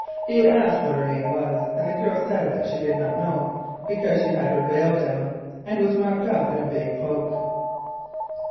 He asked what her name was, and the girl said that she did not know, because she had her veil down and was wrapped up in a big cloak.